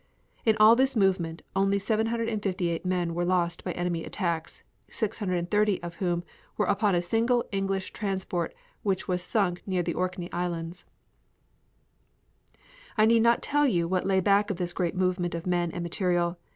In all this movement only 758 men were lost by enemy attacks, 630 of whom were upon a single English transport which was sunk near the Orkney Islands. "I need not tell you what lay back of this great movement of men and material.